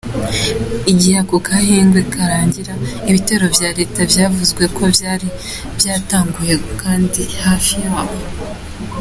Igihe ako gahengwe karangira, ibitero vya leta vyavuzwe ko vyari vyatanguye kandi hafi yaho .